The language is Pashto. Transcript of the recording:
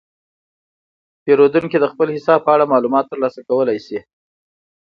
پیرودونکي د خپل حساب په اړه معلومات ترلاسه کولی شي.